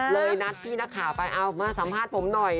นัดพี่นักข่าวไปเอามาสัมภาษณ์ผมหน่อย